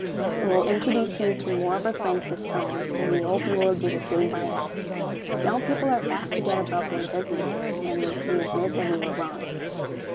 We will introduce you to more of our friends this time, and we hope you will do the same by us. Young people are apt to get above their business, and we admit that we were wrong.